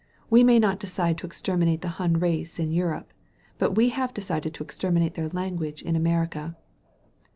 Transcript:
We may not decide to exter minate the Hun race in Europe. But we have de cided to exterminate their language in America.'